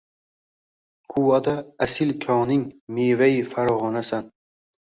Quvada asil koning – mevai Fargʼonasan.